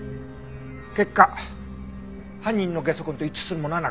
結果犯人のゲソ痕と一致するものはなかった。